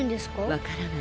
わからない。